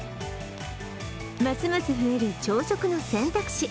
ますます増える、朝食の選択肢。